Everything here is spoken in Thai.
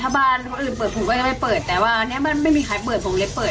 ถ้าบ้านคนอื่นเปิดผมก็ยังไม่เปิดแต่ว่าอันนี้มันไม่มีใครเปิดผมเลยเปิด